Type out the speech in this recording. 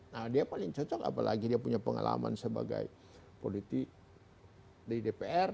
nah dia paling cocok apalagi dia punya pengalaman sebagai politik di dpr